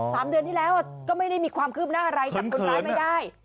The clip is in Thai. สามเดือนที่แล้วก็ไม่ได้มีความคืบหน้าอะไรจับคนร้ายไม่ได้